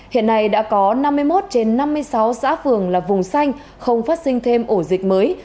hiện nay đã có năm mươi một trên năm mươi sáu xã phường là vùng xanh không phát sinh thêm ổ dịch mới